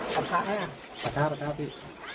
ประทับไหมครับประทับพี่